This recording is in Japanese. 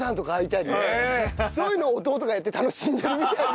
そういうのを弟がやって楽しんでるみたいな。